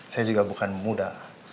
saya juga bukan muda